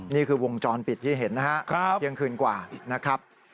นี่คือวงจรปิดที่เห็นนะครับเที่ยงคืนกว่านะครับ